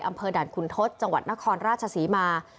อำเภอด่านคุณทศจังหวัดนครราชศรีมา